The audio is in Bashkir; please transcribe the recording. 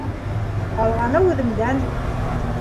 Ҡалғаны үҙеңдән.